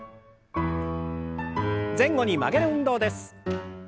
前後に曲げる運動です。